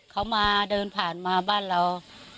เขามาเดินผ่านมาบ้านเรา